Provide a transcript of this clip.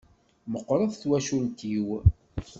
Meqqret twacult-iw.